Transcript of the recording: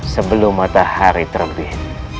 sebelum matahari terbit